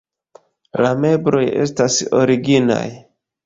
La mebloj estas originaj.